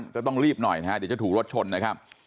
ก็ต้องรีบหน่อยนะฮะเดี๋ยวจะถูกรถชนนะครับ